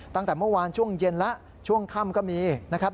ตั้งแต่เมื่อวานช่วงเย็นแล้วช่วงค่ำก็มีนะครับ